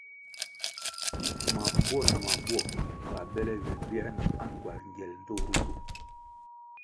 Mabwo na mabuo ga bele ywe bier na angywal ngiel ndtoh ritu.